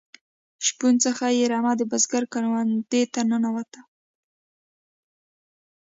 شپون څخه یې رمه د بزگر کروندې ته ننوته.